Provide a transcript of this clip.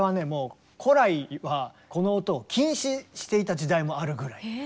もう古来はこの音を禁止していた時代もあるぐらい。